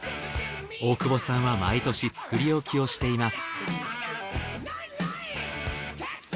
大久保さんは毎年作り置きをしています。